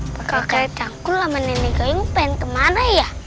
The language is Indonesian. pak kakek cangkul sama nenek gayung pengen kemana ya